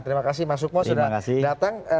terima kasih mas sukmo sudah datang